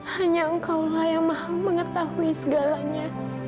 hanya engkau lah yang maha mengetahui segalanya